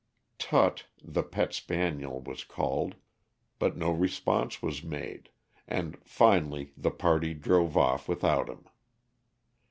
Tut, the pet spaniel, was called, but no response was made, and finally the party drove off without him.